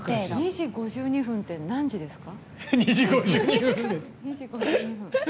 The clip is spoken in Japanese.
２時５２分って何時ですか？